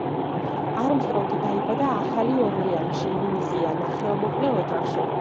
არმსტრონგი დაიბადა ახალი ორლეანში, ლუიზიანა, ხელმოკლე ოჯახში.